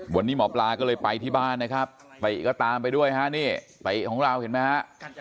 วันนี้หมอปลาก็เลยไปที่บ้านนะครับติก็ตามไปด้วยฮะนี่ติของเราเห็นไหมฮะ